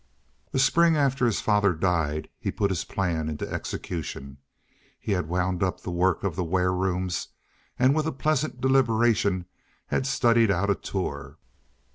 The spring after his father died, he put his plan into execution. He had wound up the work of the warerooms and with a pleasant deliberation had studied out a tour.